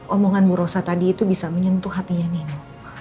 omongan bu rosa tadi itu bisa menyentuh hatinya nenek